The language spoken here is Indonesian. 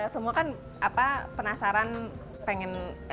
semua kan penasaran pengen